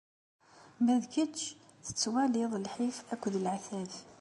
Ma d kečč, tettwaliḍ-d lḥif akked leɛtab.